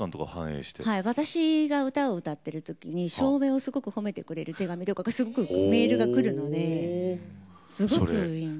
私が歌を歌ってる時に照明をすごく褒めてくれる手紙やメールがくるのですごくいいんです。